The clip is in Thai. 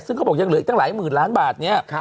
ซึ่งเขาบอกยังเหลืออีกตั้งหลายหมื่นล้านบาทเนี่ย